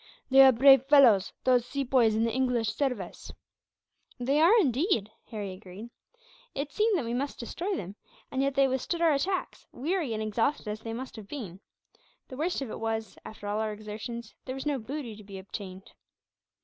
"They are brave fellows, those Sepoys in the English service." "They are, indeed," Harry agreed. "It seemed that we must destroy them; and yet they withstood our attacks, weary and exhausted as they must have been. The worst of it was that, after all our exertions, there was no booty to be obtained."